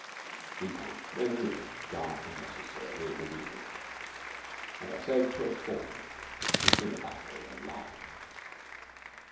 Meantime, men and women die unnecessarily in the wheels, and they are said to have fallen 'in the battle of life.'